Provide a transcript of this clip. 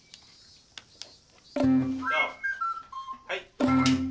はい！